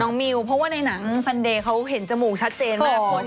มิวเพราะว่าในหนังแฟนเดย์เขาเห็นจมูกชัดเจนมาก